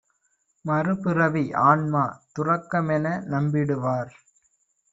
மறுபிறவி, ஆன்மா, துறக்கமென நம்பிடுவார்